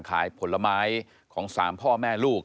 ขายผลไม้ของ๓พ่อแม่ลูก